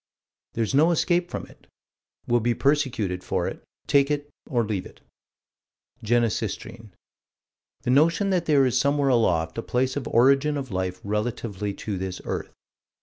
There's no escape from it. We'll be persecuted for it. Take it or leave it Genesistrine. The notion is that there is somewhere aloft a place of origin of life relatively to this earth.